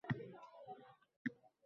Kechirasiz singlim, siz Maftunamasmisiz